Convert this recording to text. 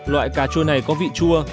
loại cà chua này có vị chua